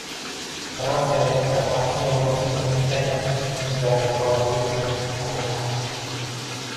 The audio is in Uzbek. Fransiyada yoshlar vaksina olmaslik uchun ataylab o‘zlariga koronavirusni yuqtirmoqda